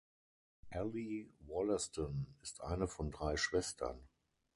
Ally Wollaston ist eine von drei Schwestern.